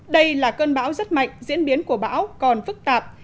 đây là cơn bão rất mạnh diễn biến của bão còn phức tạp